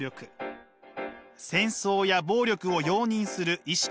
戦争や暴力を容認する意識。